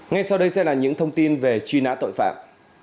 ngay sau đây sẽ là những thông tin về truy nã tội phạm